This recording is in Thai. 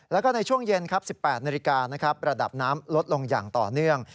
แล้วก็ในช่วงเย็น๑๘นระดับน้ำลดลงอย่างต่อเนื่อง